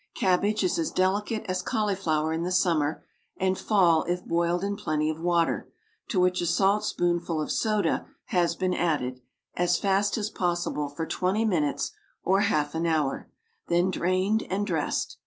Cabbage is as delicate as cauliflower in the summer and fall if boiled in plenty of water, to which a salt spoonful of soda has been added, as fast as possible for twenty minutes or half an hour, then drained and dressed.